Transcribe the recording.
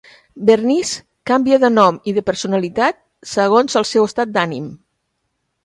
Bernice canvia de nom i de personalitat segons el seu estat d'ànim.